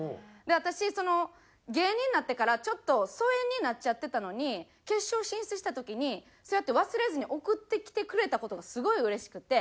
私芸人になってからちょっと疎遠になっちゃってたのに決勝進出した時にそうやって忘れずに送ってきてくれた事がすごいうれしくて。